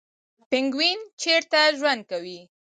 پینګوین چیرته ژوند کوي؟